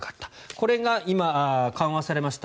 これが今、緩和されました。